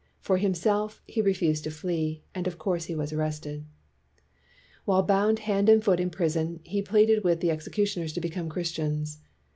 For himself, he re fused to flee, and of course was arrested. While bound hand and foot in prison, he pleaded with the executioners to become Christians.